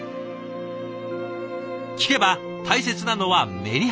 聞けば大切なのはメリハリ。